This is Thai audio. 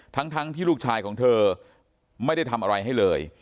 ทั้งที่ลูกชายของเธอไม่ได้ทำอะไรให้เลย